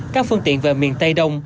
các phương tiện về miền tây đông